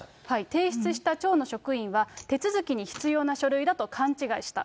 提出した町の職員は手続きに必要な書類だと勘違いした。